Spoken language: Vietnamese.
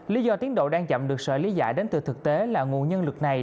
lý do tiến độ đang chậm được sở lý giải đến từ thực tế là nguồn nhân lực này